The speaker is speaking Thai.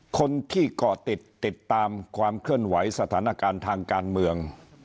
คนที่เกาะติดติดตามความเคลื่อนไหวสถานการณ์ทางการเมือง